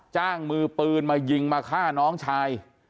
จ้างมือปืนมายิงมาฆ่าน้องชาย